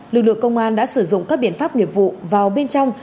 lực lượng công an đã sử dụng các biện pháp nghiệp vụ vào bên trong